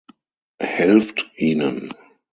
Helft ihnen.